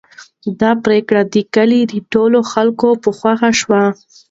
دا پرېکړه د کلي د ټولو خلکو په خوښه شوه.